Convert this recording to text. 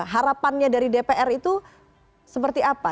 harapannya dari dpr itu seperti apa